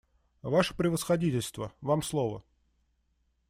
Ваше Превосходительство, вам слово.